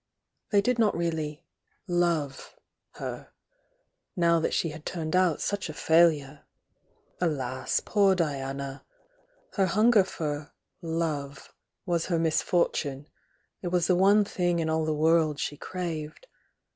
They did not really "love" her, now that she had turned out such a failure. Alas, poor Diana! Her hunger for love was her misfortune; it was the one thing in all the world she craved.